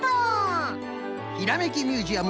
「ひらめきミュージアム」